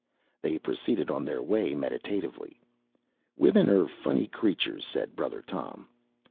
They proceeded on their way meditatively. "Women are funny creatures," said Brother Tom.